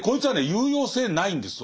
有用性ないんですよ